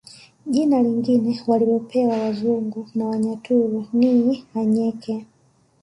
Jina lingine walilopewa wazungu na Wanyaturu ni Anyeke